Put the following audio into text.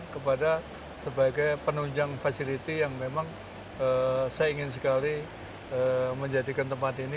kepada sebagai penunjang facility yang memang saya ingin sekali menjadikan tempat ini